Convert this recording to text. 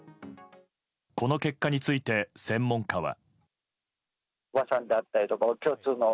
この結果について専門家は。